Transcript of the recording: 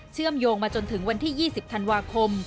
เชื่อมโยงมาจนถึงวันที่๒๐ธันวาคม